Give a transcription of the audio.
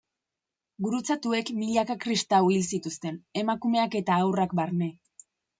Gurutzatuek milaka kristau hil zituzten, emakumeak eta haurrak barne.